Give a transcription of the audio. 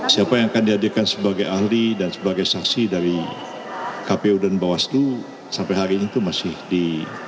siapa yang akan dihadirkan sebagai ahli dan sebagai saksi dari kpu dan bawaslu sampai hari ini itu masih di